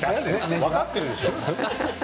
分かっているでしょう。